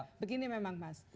nah begini memang mas